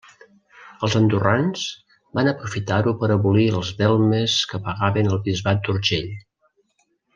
Els andorrans van aprofitar-ho per abolir els delmes que pagaven al bisbat d'Urgell.